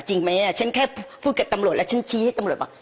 จริงไหมฉันแค่พูดกับตำรวจแล้วฉันชี้ให้ตำรวจว่า